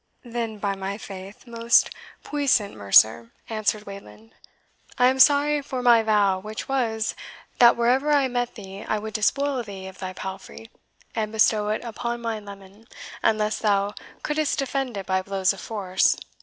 "Then, by my faith, most puissant mercer," answered Wayland, "I am sorry for my vow, which was, that wherever I met thee I would despoil thee of thy palfrey, and bestow it upon my leman, unless thou couldst defend it by blows of force.